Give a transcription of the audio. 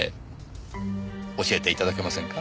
教えて頂けませんか？